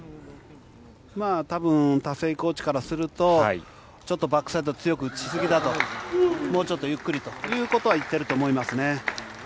たぶん、コーチからすると、ちょっとバックサイド強く打ち過ぎだと、もうちょっとゆっくりということは言っていると思いますね。